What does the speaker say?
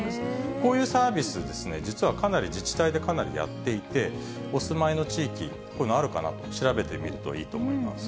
こういうサービス、実はかなり自治体でかなりやっていて、お住まいの地域、こういうのあるかなと調べてみるのもいいかと思います。